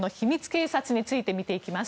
警察について見ていきます。